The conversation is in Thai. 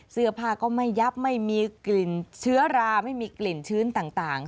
เสื้อผ้าก็ไม่ยับไม่มีกลิ่นเชื้อราไม่มีกลิ่นชื้นต่าง